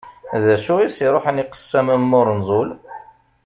D acu i as-iruḥen i qessam ma ur neẓẓul?